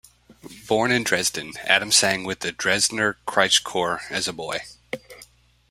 Born in Dresden, Adam sang with the Dresdner Kreuzchor as a boy.